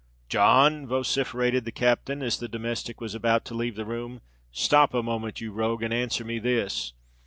"John!" vociferated the captain, as the domestic was about to leave the room; "stop a moment, you rogue, and answer me this.